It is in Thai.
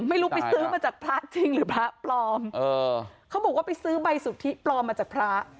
ไม่รู้ไปซื้อมาจากพระจริงหรือพระปลอมเขาบอกว่าไปซื้อใบสุทธิปลอมมาจากพระ